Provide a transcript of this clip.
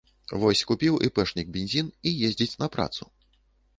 Вось купіў іпэшнік бензін і ездзіць на працу.